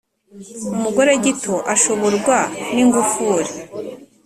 Umugore gito ashoborwa n’ingufuri,